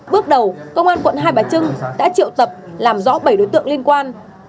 bước đầu công an quận hai bà trưng đã triệu tập làm rõ bảy đối tượng liên quan